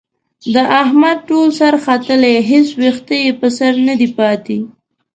د احمد ټول سر ختلی، هېڅ وېښته یې په سر ندی پاتې.